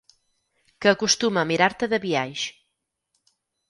Que acostuma a mirar-te de biaix.